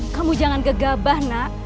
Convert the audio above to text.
kamu jangan gegabah nak